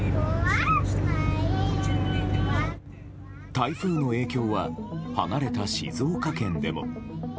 台風の影響は離れた静岡県でも。